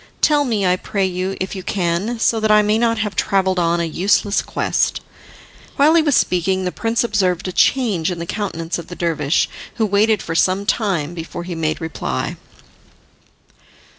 Tell me, I pray you, if you can, so that I may not have travelled on a useless quest." While he was speaking, the prince observed a change in the countenance of the dervish, who waited for some time before he made reply.